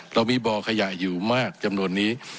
เรามีบ่อขยะอยู่มากจำนวนนี้